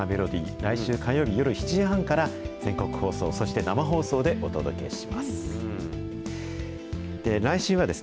来週火曜日夜７時半から全国放送、そして生放送でお届けします。